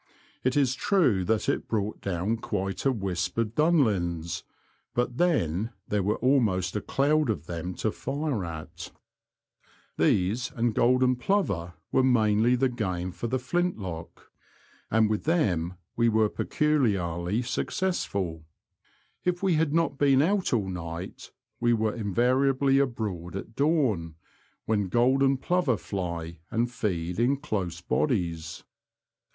It is true that it brought down quite a wisp of dunlins, but then there was almost a cloud of them to fire at. These and golden plover were mainly the game for the flint lock, and The Confessions of a T^oacher, 43 with them we were pecuHarly successful. If we had not been out all night we were invariably abroad at dawn, when golden plover fly and feed in close bodies.